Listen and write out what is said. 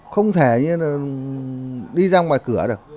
không thể đi ra ngoài cửa được